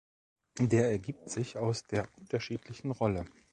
Der ergibt sich aus der unterschiedlichen Rolle.